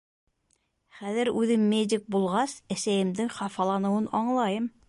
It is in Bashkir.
Хәҙер үҙем медик булғас әсәйемдең хафаланыуын аңлайым.